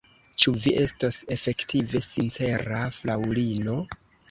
Ĉu vi estos efektive sincera, fraŭlino?